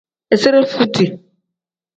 Izire futi.